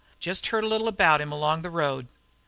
Jest heard a little about him along the road."